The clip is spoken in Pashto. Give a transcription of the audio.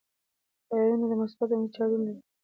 آیونونه د مثبتو او منفي چارجونو لرونکي دي.